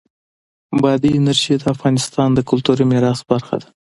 بادي انرژي د افغانستان د کلتوري میراث برخه ده.